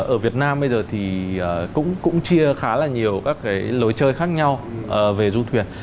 ở việt nam bây giờ thì cũng chia khá là nhiều các cái lối chơi khác nhau về du thuyền